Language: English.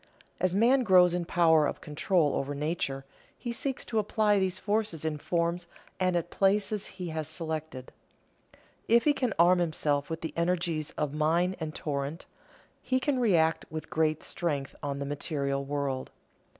As man grows in power of control over nature, he seeks to apply these forces in forms and at places he has selected. If he can arm himself with the energies of mine and torrent, he can react with giant strength on the material world.